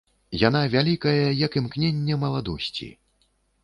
Яна вялікая, як імкненне маладосці.